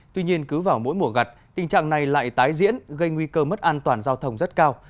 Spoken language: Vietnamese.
tuy nhiên cứ vào mỗi mùa gặt tình trạng này lại tái diễn gây nguy cơ mất an toàn giao thông rất cao